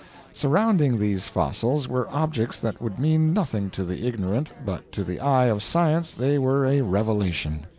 "Surrounding these fossils were objects that would mean nothing to the ignorant, but to the eye of science they were a revelation.